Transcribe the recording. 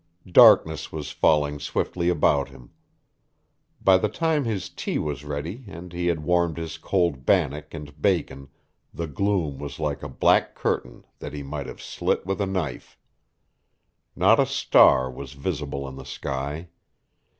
Darkness was falling swiftly about him. By the time his tea was ready and he had warmed his cold bannock and bacon the gloom was like a black curtain that he might have slit with a knife. Not a star was visible in the sky.